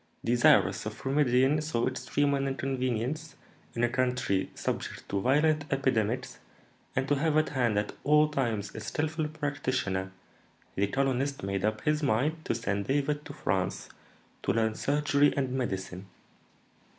Desirous of remedying so extreme an inconvenience in a country subject to violent epidemics, and to have at hand at all times a skilful practitioner, the colonist made up his mind to send David to France to learn surgery and medicine.